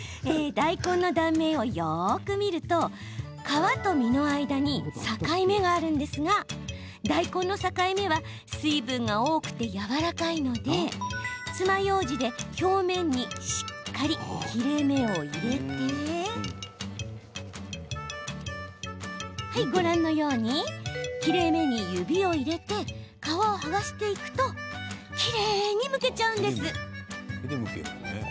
大根の断面をよく見ると皮と実の間に境目があるんですが大根の境目は水分が多くてやわらかいのでつまようじで表面にしっかり切れ目を入れてご覧のように、切れ目に指を入れて皮を剥がしていくときれいにむけるんです。